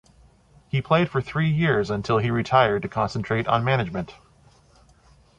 He played for three years until he retired to concentrate on management.